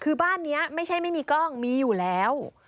คือบ้านนี้ไม่ใช่ไม่มีกล้องมีอยู่แล้ว